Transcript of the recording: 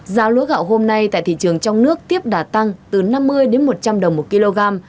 giá lúa gạo hôm nay tại thị trường trong nước tiếp đà tăng từ năm mươi đến một trăm linh đồng một kg